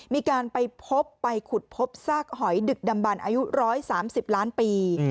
มีการไปพบไปขุดพบซากหอยดึกดำบันอายุ๑๓๐ล้านปี